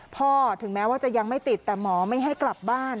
ถึงแม้ว่าจะยังไม่ติดแต่หมอไม่ให้กลับบ้าน